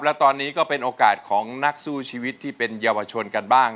และตอนนี้ก็เป็นโอกาสของนักสู้ชีวิตที่เป็นเยาวชนกันบ้าง